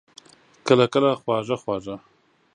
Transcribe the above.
کله، کله خواږه، خواږه